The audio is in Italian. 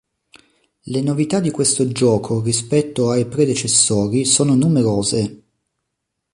Le novità di questo gioco rispetto ai predecessori sono numerose.